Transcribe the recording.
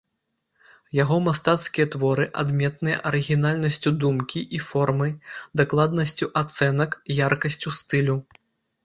Яго мастацкія творы адметныя арыгінальнасцю думкі і формы, дакладнасцю ацэнак, яркасцю стылю.